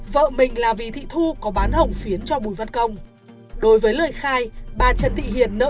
vợ mình là vị thị thu có bán hồng phiến cho bùi văn công đối với lời khai bà trần thị hiền nợ